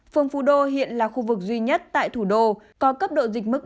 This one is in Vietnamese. phường phú đô hiện là khu vực duy nhất tại thủ đô có cấp độ dịch mức